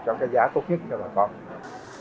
cho cái giá tốt nhất cho bà con